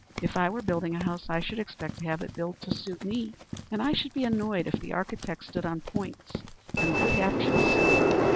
If I were building a house, I should expect to have it built to suit me, and I should be annoyed if the architect stood on points and were captious."